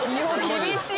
厳しい。